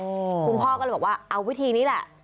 คุณพ่อก็เลยบอกว่าเอาวิธีนี้แหละ